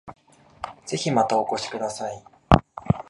ぜひまたお越しください